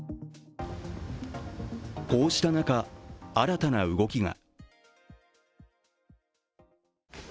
こうした中、新たな動きが。